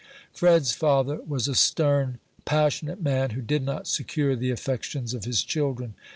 Fred's father was a stern, passionate man, who did not secure the affections of his children.